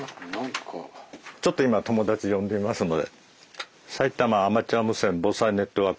ちょっと今友達呼んでみますので。